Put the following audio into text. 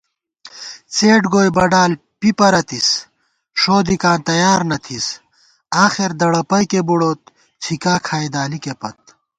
څېڈ گوئی بڈال پی پرَتِس ݭودِکاں تیار نہ تھِس * آخر دڑَپئیکے بُڑوت څِھکا کھائی دالِکے پت